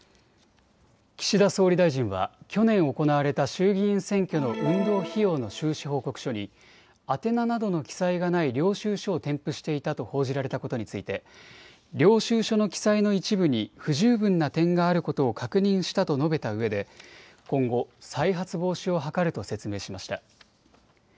岸田総理大臣は去年行われた衆議院選挙の運動費用の収支報告書に宛名などの記載がない領収書を添付していたと報じられたことについて領収書の記載の一部に不十分な点があることを確認したと述べたうえで今後、再発防止を図ると説明しました。